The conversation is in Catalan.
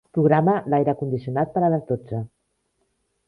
Programa l'aire condicionat per a les dotze.